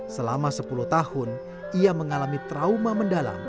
selama sepuluh tahun ia mengalami trauma mendalam